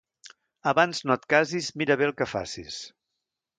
Abans no et casis mira bé el que facis.